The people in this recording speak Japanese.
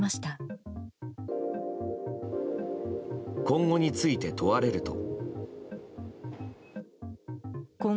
今後について問われると。